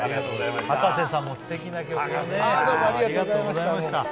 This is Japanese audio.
葉加瀬さんもすてきな曲をありがとうございました。